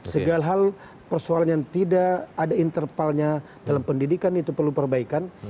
segala hal persoalan yang tidak ada intervalnya dalam pendidikan itu perlu perbaikan